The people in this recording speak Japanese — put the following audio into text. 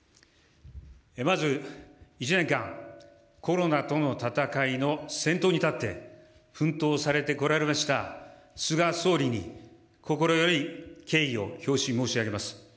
まず１年間、コロナとの闘いの先頭に立って、奮闘されてこられました菅総理に心より敬意を表し申し上げます。